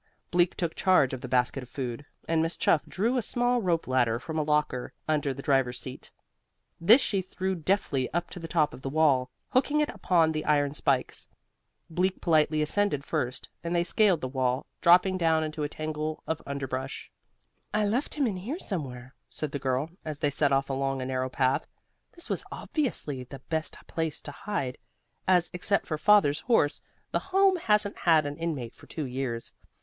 Bleak took charge of the basket of food, and Miss Chuff drew a small rope ladder from a locker under the driver's seat. This she threw deftly up to the top of the wall, hooking it upon the iron spikes. Bleak politely ascended first, and they scaled the wall, dropping down into a tangle of underbrush. "I left him in here somewhere," said the girl, as they set off along a narrow path. "This was obviously the best place to hide, as, except for Father's horse, the Home hasn't had an inmate for two years.